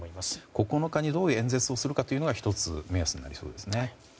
９日にどういう演説をするかというのが１つ目安になりそうですね。